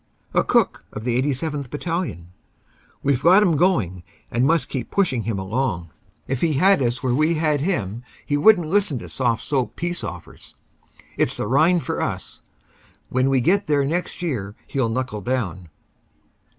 A cook of our 87th. Battalion: "We ve got him going and must keep pushing him along. If he had us where we had him he wouldn t listen to soft soap peace ofrers. It s the Rhine for us. When we get there next year he ll knuckle down."